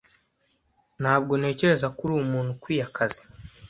Ntabwo ntekereza ko uri umuntu ukwiye akazi.